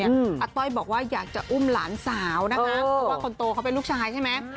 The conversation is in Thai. อาต้อยบอกว่าอยากจะอุ้มหลานสาวนะคะเพราะว่าคนโตเขาเป็นลูกชายใช่ไหม